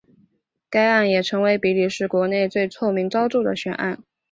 该案也成为比利时国内最恶名昭彰的悬案。